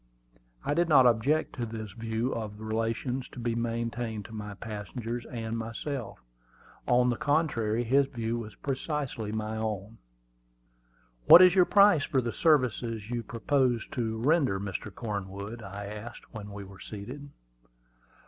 I did not object to his view of the relations to be maintained to my passengers and myself; on the contrary, his view was precisely my own. "What is your price for the service you propose to render, Mr. Cornwood?" I asked, when we were seated.